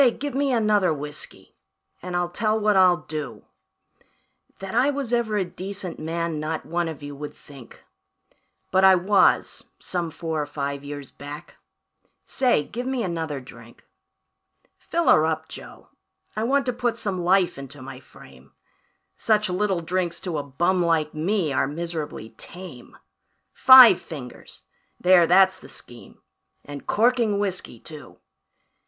Give me another whiskey, and I'll tell what I'll do That I was ever a decent man not one of you would think; But I was, some four or five years back. Say, give me another drink. "Fill her up, Joe, I want to put some life into my frame Such little drinks to a bum like me are miserably tame; Five fingers there, that's the scheme and corking whiskey, too.